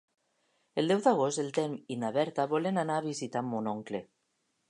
El deu d'agost en Telm i na Berta volen anar a visitar mon oncle.